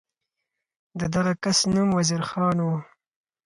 د دغه کس نوم وزیر خان و.